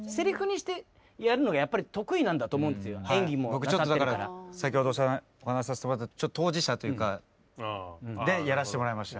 僕ちょっと先ほどお話しさせてもらった当事者というかでやらせてもらいました。